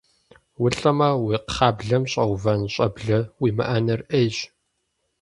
УлӀэмэ, уи кхъаблэм щӀэувэн щӀэблэ уимыӀэныр Ӏейщ.